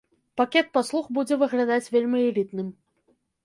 Пакет паслуг будзе выглядаць вельмі элітным.